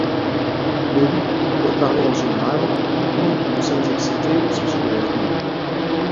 Mais oui, pour parler en général, oui, nous sommes excités au sujet de l'avenir.